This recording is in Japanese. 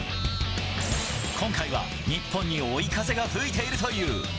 今回は日本に追い風が吹いているという。